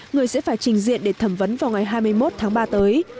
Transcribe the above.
người sẽ phải trình diện để thẩm vấn vào ngày hai mươi một tháng ba tới